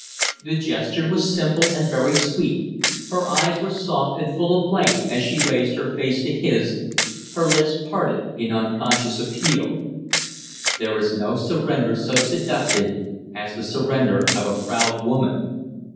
The gesture was simple and very sweet; her eyes were soft and full of light as she raised her face to his, her lips parted in unconscious appeal. There is no surrender so seductive as the surrender of a proud woman.